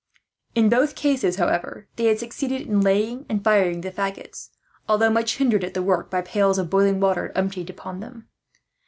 In both cases, however, they had succeeded in laying and firing the faggots; although much hindered at the work, by pails of boiling water emptied upon them.